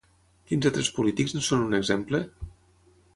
Quins altres polítics en són un exemple?